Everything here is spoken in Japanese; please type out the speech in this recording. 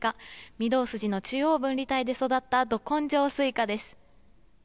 御堂筋の中央分離帯で育ったど根性スイカです。